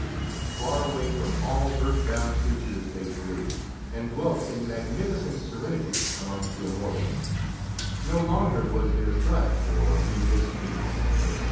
Far away from all earth bound creatures they flew, and dwelt in magnificent serenity amongst the Immortals. No longer was there strife, or any dispeace.